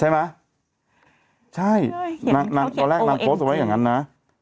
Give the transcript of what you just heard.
ใช่ไหมใช่อ่ะตอนแรกนางอย่างงั้นน่ะ